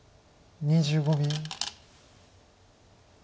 ２５秒。